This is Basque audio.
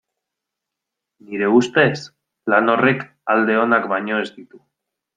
Nire ustez, lan horrek alde onak baino ez ditu.